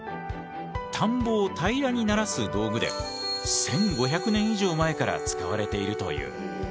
田んぼを平らにならす道具で１，５００年以上前から使われているという。